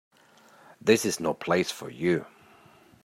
This is no place for you.